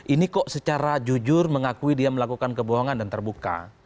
ini kok secara jujur mengakui dia melakukan kebohongan dan terbuka